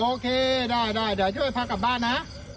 โอเคได้เดี๋ยวช่วยพากลับบ้านนะ